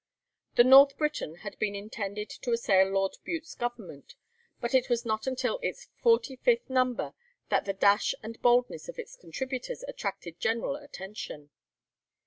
The 'North Briton' had been intended to assail Lord Bute's government, but it was not until its forty fifth number that the dash and boldness of its contributors attracted general attention.